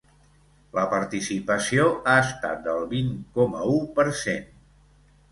La participació ha estat del vint coma u per cent.